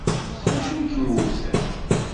S wacu i kem-wwten?